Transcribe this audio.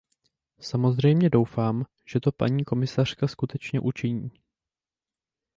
Samozřejmě doufám, že to paní komisařka skutečně učiní.